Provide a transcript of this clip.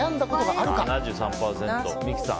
あるが７３％、三木さん。